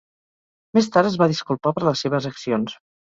Més tard es va disculpar per les seves accions.